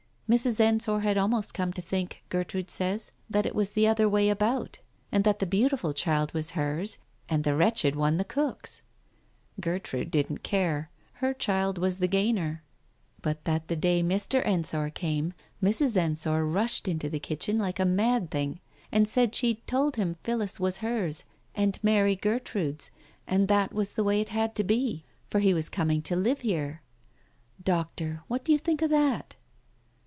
... Mrs. Ensor had almost come to think, Gertrude says, that it was the other way about, and that the beautiful child was hers, and the wretched one the cook's. ... Gertrude didn't care — her child was the gainer. ... But that the Digitized by Google THE TIGER SKIN 311 day Mr. Ensor came, Mrs. Ensor rushed into the kitchen like a mad thing, and said she'd told him Phillis was hers and Mary Gertrude's, and that was the way it had to be, for he was coming to live here. Doctor, what do you think of that